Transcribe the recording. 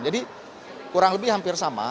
jadi kurang lebih hampir sama